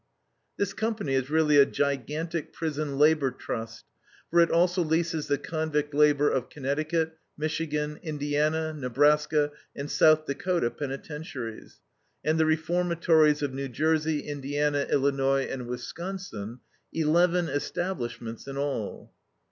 This Company is really a gigantic Prison Labor Trust, for it also leases the convict labor of Connecticut, Michigan, Indiana, Nebraska, and South Dakota penitentiaries, and the reformatories of New Jersey, Indiana, Illinois, and Wisconsin, eleven establishments in all.